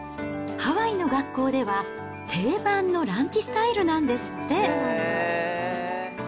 ハワイの学校では定番のランチスタイルなんですって。